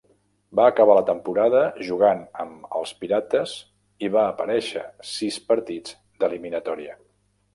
Va acabar la temporada jugant amb els Pirates i va aparèixer sis partits d'eliminatòria.